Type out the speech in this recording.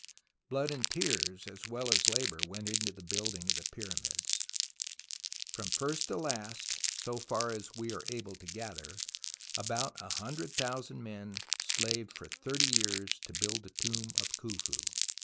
Blood and tears as well as labour went to the building of the Pyramids. From first to last, so far as we are able to gather, about 100,000 men slaved for thirty years to build the tomb of Khufu.